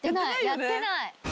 やってない！